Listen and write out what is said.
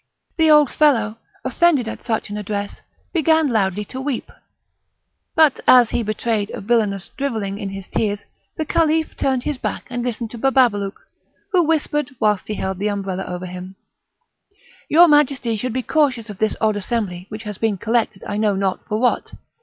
The old fellow, offended at such an address, began loudly to weep; but, as he betrayed a villainous drivelling in his tears, the Caliph turned his back and listened to Bababalouk, who whispered, whilst he held the umbrella over him: "Your Majesty should be cautious of this odd assembly which hath been collected I know not for what.